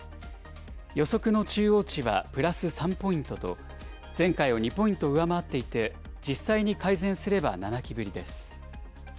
予測の中央値はプラス３ポイントと、前回を２ポイント上回っていて、実際に改善すれば７期ぶりです。